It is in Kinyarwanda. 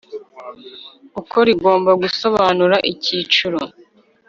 gukora igomba gusobanura icyiciro